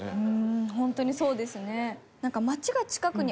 ホントにそうですね。